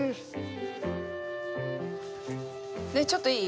ねえちょっといい？